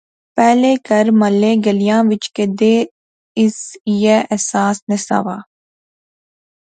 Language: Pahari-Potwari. پہلے کہر، محلے، گلیا وچ کیدے اس ایہہ احساس نہسا وہا